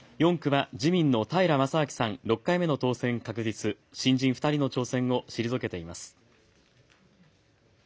４区は自民の平将明さん、６回目の当選確実、新人２人の挑戦を退けています。